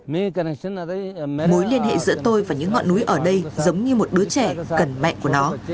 mối liên hệ giữa tôi và những ngọn núi ở đây giống như một đứa trẻ cần mẹ của nó